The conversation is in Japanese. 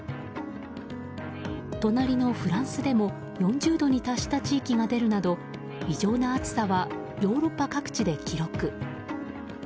隣のフランスでも４０度に達した地域が出るなど異常な暑さはヨーロッパ各地で記録。